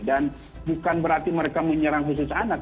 dan bukan berarti mereka menyerang khusus anak